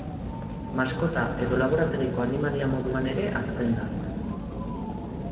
Maskota edo laborategiko animalia moduan ere hazten da.